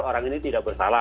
orang ini tidak bersalah